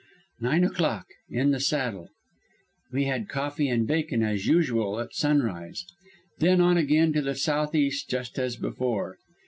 "Nine o'clock (in the saddle). We had coffee and bacon as usual at sunrise; then on again to the southeast just as before.